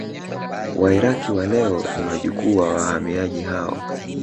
Wairaki wa leo ni wajukuu wa wahamiaji hao